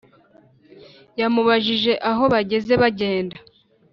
yamubajije aho bageze bagenda